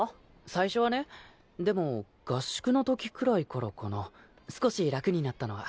最初はねでも合宿の時くらいからかな少し楽になったのは。